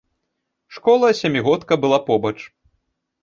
Школа, сямігодка, была побач.